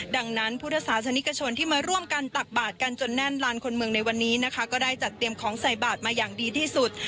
ดังนั้นพุทธศาสนิกชนที่มาร่วมกันตักบาทกันจนแน่นลานคนเมืองในวันนี้นะคะก็ได้จัดเตรียมของใส่บาทมาอย่างดีที่สุด